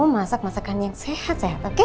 masak masakan yang sehat sehat oke